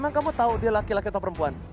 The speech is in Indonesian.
emang kamu tahu dia laki laki atau perempuan